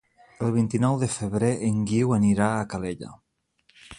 El vint-i-nou de febrer en Guiu anirà a Calella.